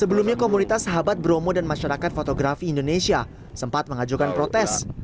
sebelumnya komunitas sahabat bromo dan masyarakat fotografi indonesia sempat mengajukan protes